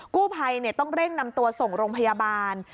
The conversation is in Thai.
กู้ภัยต้องเร่งนำตัวส่งโรงพยาบาล